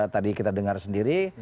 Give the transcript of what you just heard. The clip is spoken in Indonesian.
tadi kita dengar sendiri